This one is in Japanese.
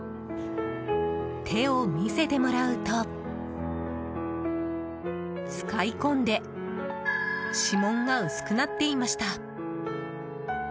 手を見せてもらうと使い込んで指紋が薄くなっていました。